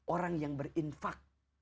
orang yang berinfak